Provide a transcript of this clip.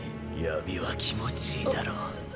闇は気持ちいいだろ。